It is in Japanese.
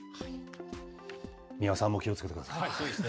三輪さんも気をつけてください。